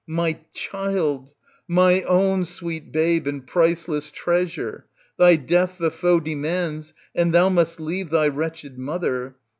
My child 1 my own sweet babe and priceless treasure ! thy death the foe demands, and thou must leave thy wretched mother.